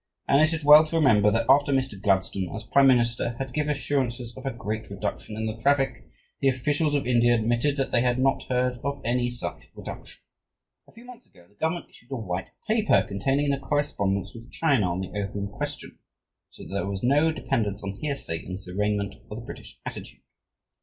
And it is well to remember that after Mr. Gladstone, as prime minister, had given assurances of a "great reduction" in the traffic, the officials of India admitted that they had not heard of any such reduction. A few months ago, the Government issued a "White Paper" containing the correspondence with China on the opium question, so that there is no dependence on hearsay in this arraignment of the British attitude.